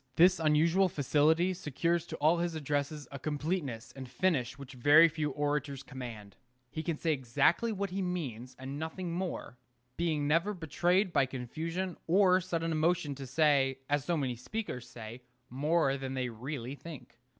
This unusual facility secures to all his addresses a completeness and finish which very few orators command. He can say exactly what he means, and nothing more, being never betrayed by confusion or sudden emotion to say, as so many speakers say, more than they really think.